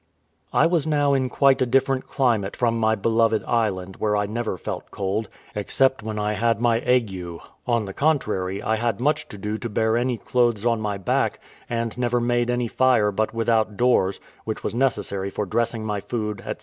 I was now in quite a different climate from my beloved island, where I never felt cold, except when I had my ague; on the contrary, I had much to do to bear any clothes on my back, and never made any fire but without doors, which was necessary for dressing my food, &c.